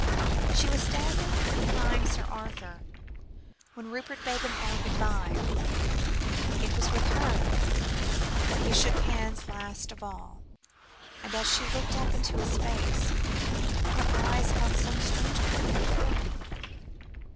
She was standing behind Sir Arthur, when Rupert bade them all good bye; it was with her that he shook hands last of all, and as she looked up into his face, her eyes held some strange comfort for him.